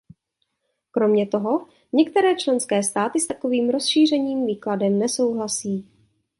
Kromě toho některé členské státy s takovým rozšířeným výkladem nesouhlasí.